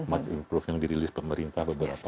much improved yang dirilis pemerintah beberapa itu